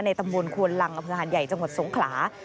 ในตำรวจควนรังอเผือหาดใหญ่จังหวัดสงขลา